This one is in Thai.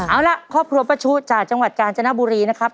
เอาล่ะครอบครัวป้าชุจากจังหวัดกาญจนบุรีนะครับ